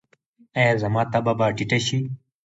ایا زما تبه به ټیټه شي؟